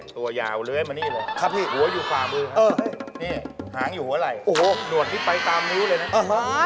ตัวยาวเล้ยมานี่เลยหัวอยู่ฝ่ามือครับหางอยู่หัวไหล่หนวดที่ไปตามนิ้วเลยนะ